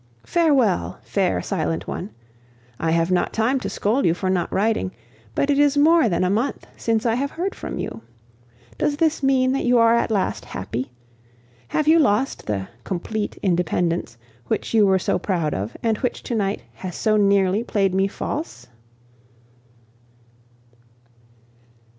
Farewell, fair silent one. I have not time to scold you for not writing, but it is more than a month since I have heard from you! Does this mean that you are at last happy? Have you lost the "complete independence" which you were so proud of, and which to night has so nearly played me false?